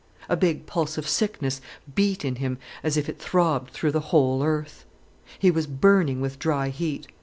A big pulse of sickness beat in him as if it throbbed through the whole earth. He was burning with dry heat.